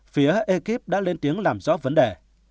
phía ekip lên tiếng làm rõ vấn đề